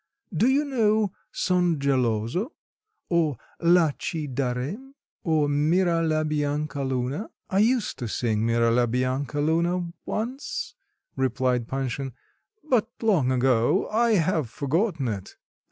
Do you know Son geloso, or La ci darem or Mira la bianca luna?" "I used to sing Mira la bianca luna, once," replied Panshin, "but long ago; I have forgotten it."